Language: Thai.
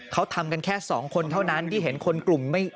เขาทำกันแค่สองคนเท่านั้นที่เห็นคนกลุ่มไม่